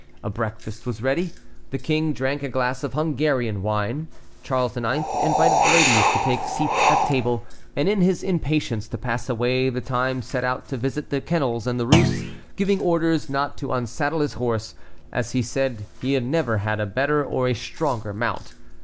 A breakfast was ready. The King drank a glass of Hungarian wine. Charles IX. invited the ladies to take seats at table, and in his impatience to pass away the time set out to visit the kennels and the roosts, giving orders not to unsaddle his horse, as he said he had never had a better or a stronger mount.